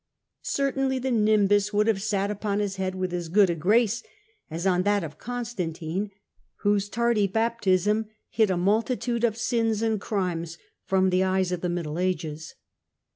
' Cer tainly the nimbus would have sat upon his head with as good a grace as on that of Constantine, whose tardy baptism hid a multitude of sins and crimes from the eyes of the Middle Ages.